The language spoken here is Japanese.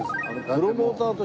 プロモーターとしても。